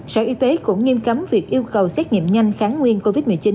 sở y tế cũng nghiêm cấm việc yêu cầu xét nghiệm nhanh kháng nguyên covid một mươi chín